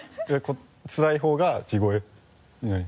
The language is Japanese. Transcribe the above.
つらい方が地声になる。